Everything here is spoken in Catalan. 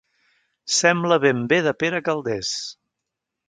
Sembla ben bé de Pere Calders.